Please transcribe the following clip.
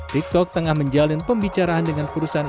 tiktok tengah menjalin pembicaraan dengan perusahaan